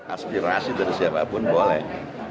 aspirasi dari siapapun boleh